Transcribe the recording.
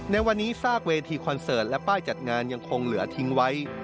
ในวันนี้ซากเวทีคอนเสิร์ตและป้ายจัดงานยังคงเหลือทิ้งไว้